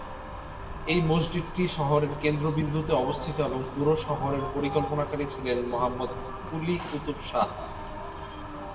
এই মসজিদটি শহরের কেন্দ্রবিন্দুতে অবস্থিত এবং পুরো শহরের পরিকল্পনাকারী ছিলেন মোহাম্মদ কুলি কুতুব শাহ।